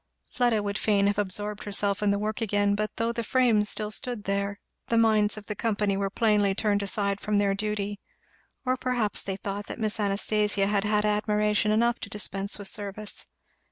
Fleda would fain have absorbed herself in the work again, but though the frame still stood there the minds of the company were plainly turned aside from their duty, or perhaps they thought that Miss Anastasia had had admiration enough to dispense with service.